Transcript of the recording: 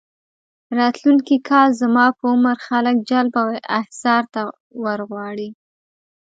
راتلونکي کال زما په عمر خلک جلب او احضار ته ورغواړي.